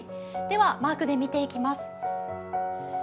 では、マークで見ていきます。